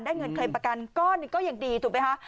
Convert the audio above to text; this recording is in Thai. ได้เงินเคลมประกันก้อนก็ยังดีถูกไหมฮะ